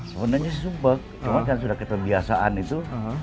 sebenarnya sumpuk cuma kan sudah keterbiasaan itu